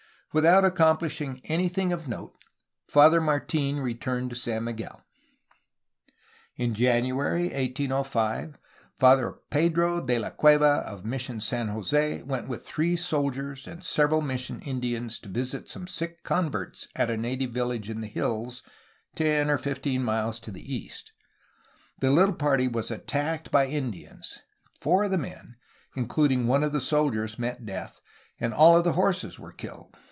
Without accomplishing anything of note, Father Martin returned to San Miguel. In January 1805 Father Pedro de la Cueva of Mission San Jose went with three soldiers and several mission Indians to visit some sick converts at a native village in the hills, ten or fifteen miles to the east. The little party was attacked by Indians. Foiu of the men, including one of the soldiers, met death, and all of the horses were killed.